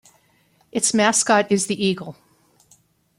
Its mascot is the eagle.